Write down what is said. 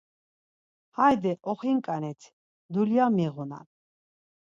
Hayde oxinǩanit, dulya miğunan.